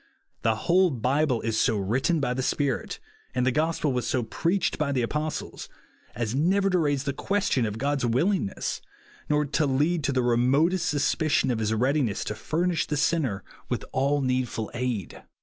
The whole Bible is so written by the Spirit, and the gospel was so preached by the apostles, as never to raise the question of God's will ingness, nor to lead to the remotest sus picion of his readiness to furnish the sinner with all needful aid.